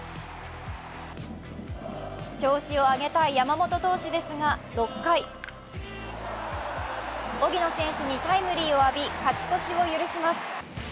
調子を上げたい山本投手ですが６回、荻野選手にタイムリーを浴び勝ち越しを許します。